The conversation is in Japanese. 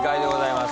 はい。